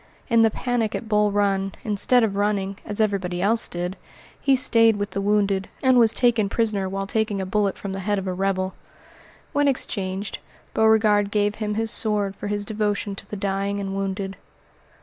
In the panic at Bull Run, instead of running, as everybody else did, he stayed with the wounded, and was taken prisoner while taking a bullet from the head of a rebel. When exchanged, Beauregard gave him his sword for his devotion to the dying and wounded.